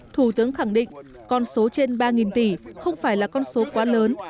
thủ tướng khẳng định con số trên ba tỷ không phải là con số quá lớn